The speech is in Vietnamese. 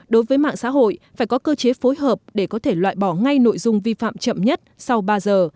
đối với mạng xã hội phải có cơ chế phối hợp để có thể loại bỏ ngay nội dung vi phạm chậm nhất sau ba giờ